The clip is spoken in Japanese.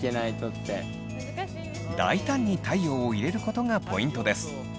大胆に太陽を入れることがポイントです。